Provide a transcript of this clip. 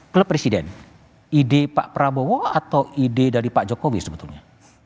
klub presiden ide pak prabowo atau ide dari pak jokowi sebetulnya